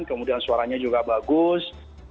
kemudian suaranya juga bagus